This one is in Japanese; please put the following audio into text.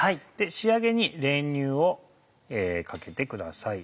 仕上げに練乳をかけてください。